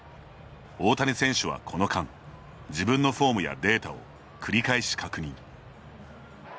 大谷選手はこの間自分のフォームやデータを繰り返し確認。